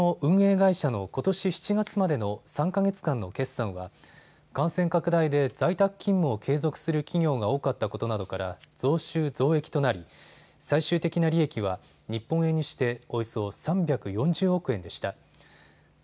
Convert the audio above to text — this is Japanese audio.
会社のことし７月までの３か月間の決算は感染拡大で在宅勤務を継続する企業が多かったことなどから増収増益となり最終的な利益は日本円にしておよそ３４０億円でした。